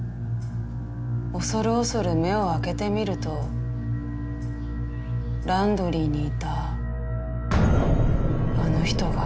恐る恐る目を開けてみるとランドリーにいたあの人が。